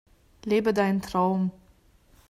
Lebe deinen Traum!